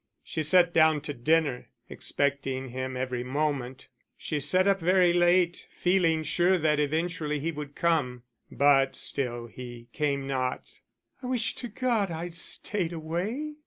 She sat down to dinner, expecting him every moment; she sat up very late, feeling sure that eventually he would come. But still he came not. "I wish to God I'd stayed away."